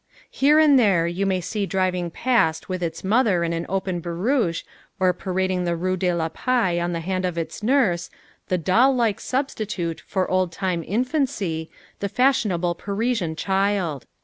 Here and there you may see driving past with its mother in an open barouche, or parading the Rue de la Paix on the hand of its nurse, the doll like substitute for old time infancy, the fashionable Parisian child.